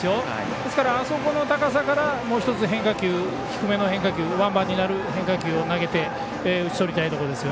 ですから、あそこの高さから低めの変化球ワンバンになる変化球を投げて、打ち取りたいところです。